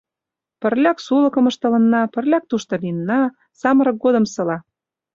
Пырляк сулыкым ыштылынна, пырляк тушто лийына, самырык годымсыла.